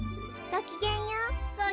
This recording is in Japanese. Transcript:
・ごきげんよう。